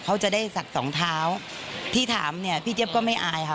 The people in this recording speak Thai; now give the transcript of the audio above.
เขาจะได้ศักดิ์สองเท้าพี่ถามเนี่ยพี่เจี๊ยบก็ไม่อายค่ะ